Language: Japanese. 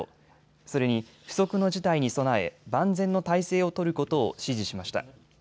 それに不測の事態に備え、万全の態勢を取ることを指示しました。